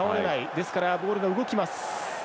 ですからボールが動きます。